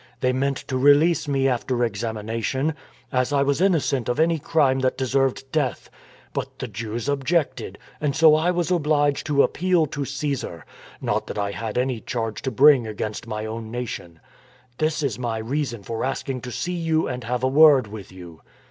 They meant to release me after exami nation, as I was innocent of any crime that deserved death. But the Jews objected, and so I was obliged to appeal to Caesar — not that I had any charge to bring against my own nation. This is my reason for asking to see you and have a word with you."